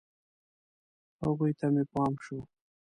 هغوی ته مې پام شو.